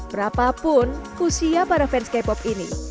berapapun usia para fans kpop ini